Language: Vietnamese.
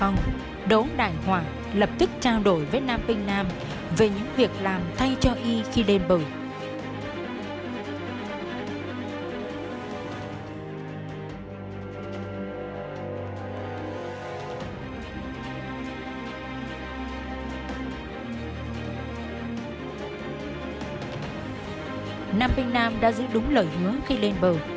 nam vinh nam đã giữ đúng lời hứa khi lên bờ